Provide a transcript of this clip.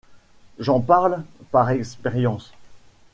J’en parle par expérience.